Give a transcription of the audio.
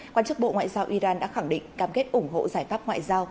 quan chức bộ ngoại giao iran đã khẳng định cam kết ủng hộ giải pháp ngoại giao